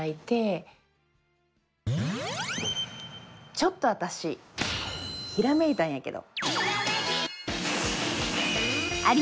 ちょっと私ひらめいたんやけど！